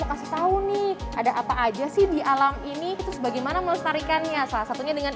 kasih tahu nih ada apa aja sih di alam ini terus bagaimana melestarikannya salah satunya dengan